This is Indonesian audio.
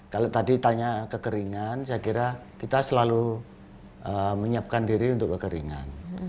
kalau tadi tanya kekeringan saya kira kita selalu menyiapkan diri untuk kekeringan